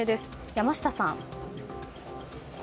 山下さん。